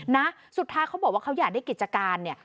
นะสุดท้ายเขาบอกว่าเขาอยากได้กิจการเนี่ย